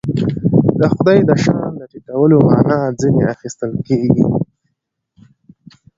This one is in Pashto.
د خدای د شأن د ټیټولو معنا ځنې اخیستل کېږي.